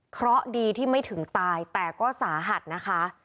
เพราะดีที่ไม่ถึงตายแต่ก็สาหัสนะคะ